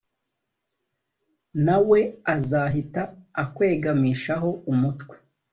nawe azahita akwegamishaho umutwe